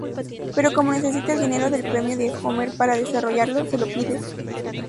Pero como necesita el dinero del premio de Homer para desarrollarlo, se lo pide.